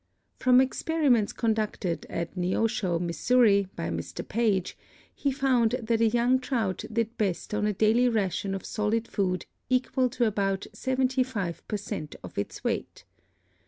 From experiments conducted at Neosho, Missouri, by Mr. Page, he found that a young trout did best on a daily ration of solid food equal to about seventy five per cent of its weight.